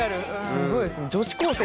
すごいですね。